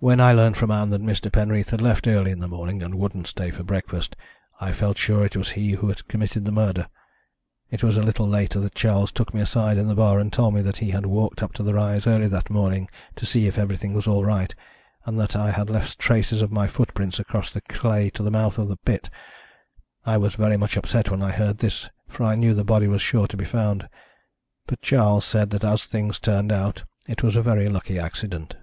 "When I learnt from Ann that Mr. Penreath had left early in the morning, and wouldn't stay for breakfast, I felt sure it was he who had committed the murder. It was a little later that Charles took me aside in the bar and told me that he had walked up to the rise early that morning to see if everything was all right, and that I had left traces of my footprints across the clay to the mouth of the pit. I was very much upset when I heard this, for I knew the body was sure to be found. But Charles said that, as things turned out, it was a very lucky accident.